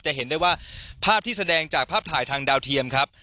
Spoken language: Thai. เห็นได้ว่าภาพที่แสดงจากภาพถ่ายทางดาวเทียมครับ